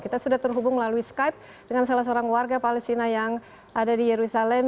kita sudah terhubung melalui skype dengan salah seorang warga palestina yang ada di yerusalem